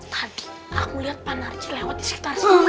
tadi aku lihat pak narci lewat di sekitar sini